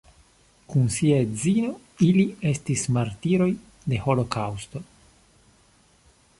Kun sia edzino ili estis martiroj de holokaŭsto.